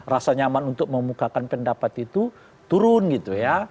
rasa nyaman untuk memukakan pendapat itu turun gitu ya